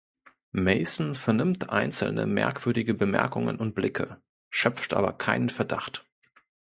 Mason vernimmt einzelne merkwürdige Bemerkungen und Blicke, schöpft aber keinen Verdacht.